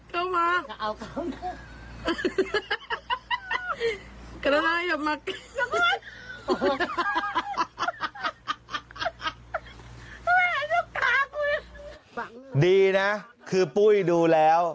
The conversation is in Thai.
แหดดีนะคือปุ้ยดูแล